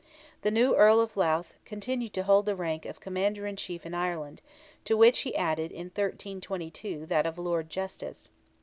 The new Earl of Louth continued to hold the rank of Commander in Chief in Ireland, to which he added in 1322 that of Lord Justice.